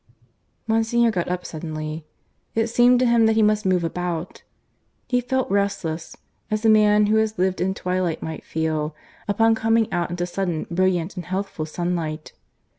Monsignor got up suddenly. It seemed to him that he must move about. He felt restless, as a man who has lived in twilight might feel upon coming out into sudden brilliant and healthful sunlight.